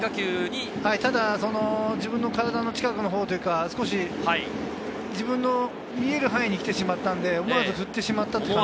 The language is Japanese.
ただ自分の体の近くのほうというか、少し自分の見える範囲に来てしまったので、思わず振ってしまったという。